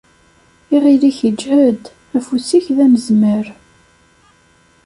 Iɣil-ik iǧhed; afus-ik d anezmar.